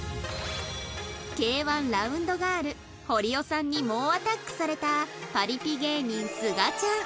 Ｋ−１ ラウンドガール堀尾さんに猛アタックされたパリピ芸人すがちゃん